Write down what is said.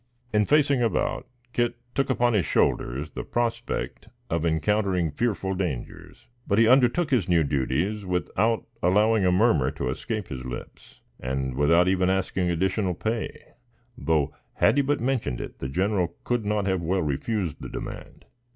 In facing about, Kit took upon his shoulders the prospect of encountering fearful dangers; but, he undertook his new duties without allowing a murmur to escape his lips, and without even asking additional pay; though, had he but mentioned it, the general could not have well refused the demand.